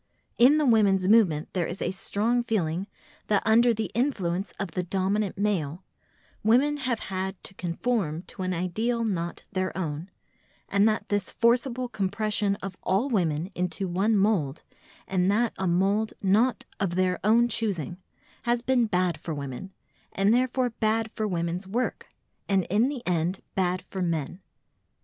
In the women's movement there is a strong feeling that under the influence of the dominant male, women have had to conform to an ideal not their own, and that this forcible compression of all women into one mould—and that a mould not of their own choosing—has been bad for women, and therefore bad for women's work, and in the end bad for men.